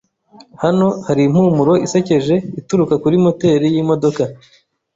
Hano hari impumuro isekeje ituruka kuri moteri yimodoka.